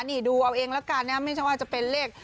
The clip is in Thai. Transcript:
นี่ดูเอาเองแล้วกันนะไม่ใช่ว่าจะเป็นเลข